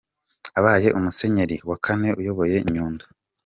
Abaye umusenyeri wa kane uyoboye Nyundo.